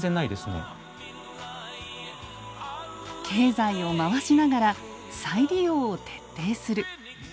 経済を回しながら再利用を徹底する。